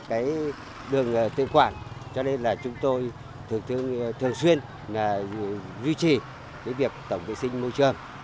cái đường tự quản cho nên là chúng tôi thường thương thường xuyên duy trì cái việc tổng vệ sinh môi trường